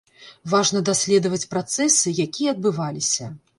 Важна даследаваць працэсы, якія адбываліся.